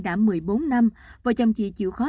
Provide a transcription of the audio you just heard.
đã một mươi bốn năm vợ chồng chị chịu khó